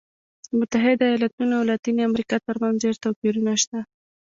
د متحده ایالتونو او لاتینې امریکا ترمنځ ډېر توپیرونه شته.